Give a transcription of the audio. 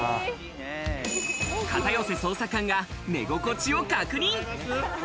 片寄捜査官が寝心地を確認。